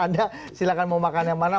anda silahkan mau makan yang mana